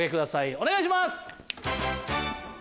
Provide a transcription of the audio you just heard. お願いします！